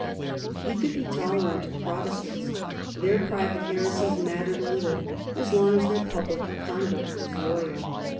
He could be tolerant of Protestants : their private heresies mattered little, as long as their public conduct was loyal.